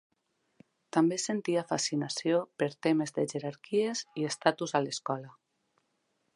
També sentia fascinació per temes de jerarquies i estatus a l'escola.